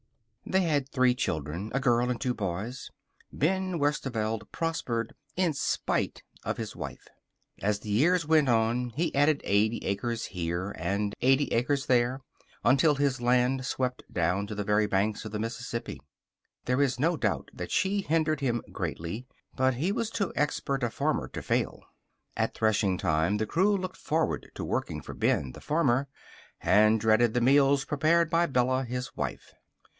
They had three children, a girl and two boys. Ben Westerveld prospered in spite of his wife. As the years went on he added eighty acres here, eighty acres there, until his land swept down to the very banks of the Mississippi. There is no doubt that she hindered him greatly, but he was too expert a farmer to fail. At threshing time the crew looked forward to working for Ben, the farmer, and dreaded the meals prepared by Bella, his wife.